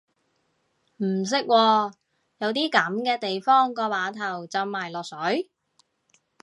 唔識喎，有啲噉嘅地方個碼頭浸埋落水？